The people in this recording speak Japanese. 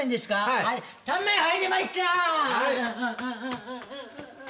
タンメン入りました！